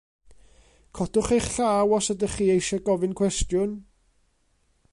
Codwch eich llaw os ydych chi eisiau gofyn cwestiwn.